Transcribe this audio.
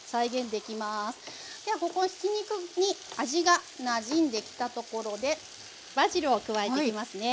ではひき肉に味がなじんできたところでバジルを加えていきますね。